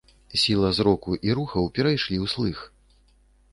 Сіла зроку і рухаў перайшлі ў слых.